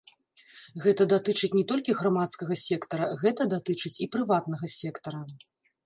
Гэта датычыць не толькі грамадскага сектара, гэта датычыць і прыватнага сектара.